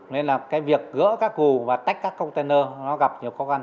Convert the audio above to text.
nên là cái việc gỡ các cù và tách các container nó gặp nhiều khó khăn